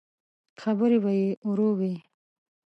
خبرې به يې ورو وې.